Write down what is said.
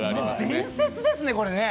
伝説ですね。